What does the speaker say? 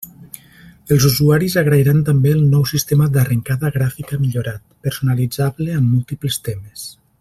Els usuaris agrairan també el nou sistema d'arrencada gràfica millorat, personalitzable amb múltiples temes.